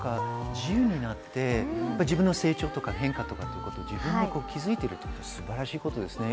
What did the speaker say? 自由になって自分の成長とか変化とかを自分が気づいているのが素晴らしいことですよね。